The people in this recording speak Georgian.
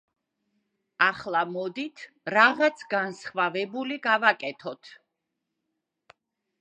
ახლა მოდით რაღაც განსხვავებული გავაკეთოთ.